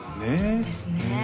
そうですね